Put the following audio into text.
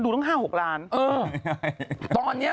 อยากกันเยี่ยม